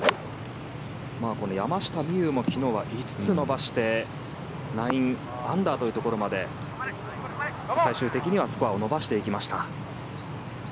山下美夢有も昨日は５つ伸ばして９アンダーというところまで最終的にはスコアを伸ばしていきました。